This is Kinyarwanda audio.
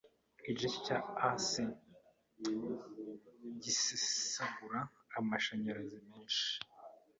Iki gice cya AC gisesagura amashanyarazi menshi.